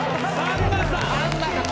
さんまさん！